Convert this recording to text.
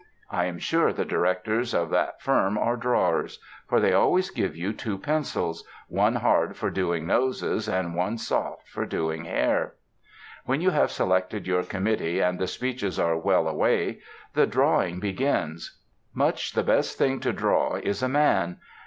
I am sure the directors of that firm are Drawers; for they always give you two pencils, one hard for doing noses, and one soft for doing hair. When you have selected your committee and the speeches are well away, the Drawing begins. Much the best thing to draw is a man.